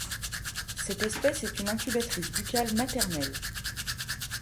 Cette espèce est une incubatrice buccale maternelle.